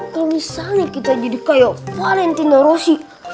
kalau misalnya kita jadi kayak valentina roshi